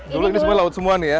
dulu ini semua laut semua nih ya